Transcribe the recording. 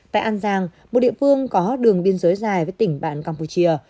tại an giang một địa phương có đường biên giới dài với tỉnh bạn campuchia